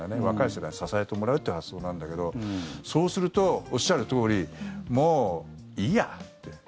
若い世代に支えてもらうという発想なんだけどそうすると、おっしゃるとおりもういいやって。